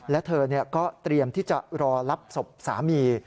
และเธอก็เตรียมที่จะรอรับศพสามี